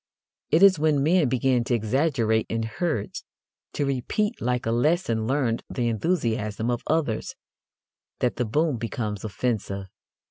It is when men begin to exaggerate in herds to repeat like a lesson learned the enthusiasm of others that the boom becomes offensive.